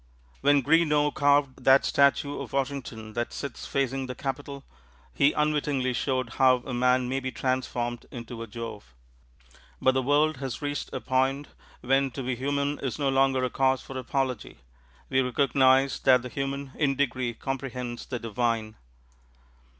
When Greenough carved that statue of Washington that sits facing the Capitol, he unwittingly showed how a man may be transformed into a Jove. But the world has reached a point when to be human is no longer a cause for apology; we recognize that the human, in degree, comprehends the divine.